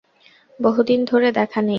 বহুদিন ধরে দেখা নেই।